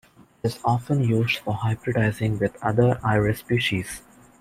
It is often used for hybridizing with other "Iris" species.